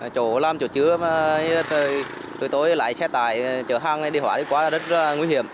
chỗ làm chỗ chứa mà tối tối lại xe tài chở thang đi hỏa đi qua là rất nguy hiểm